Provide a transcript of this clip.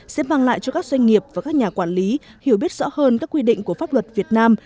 sẽ mang lại cho các doanh nghiệp và các nhà quản lý hiểu biết rõ hơn các quy định của pháp luật việt nam